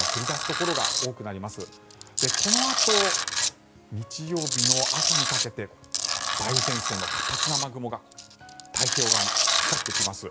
このあと日曜日の朝にかけて梅雨前線の活発な雨雲が太平洋側にかかってきます。